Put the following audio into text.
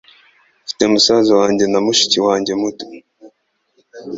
Mfite musaza wanjye na mushiki wanjye muto.